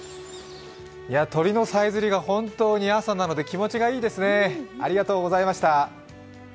鳥のさえずりが本当に朝なので気持ちがいいですね、ありがとうございました。